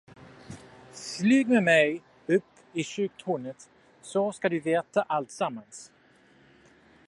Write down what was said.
Flyg med mig upp i kyrktornet, så ska du få veta alltsammans!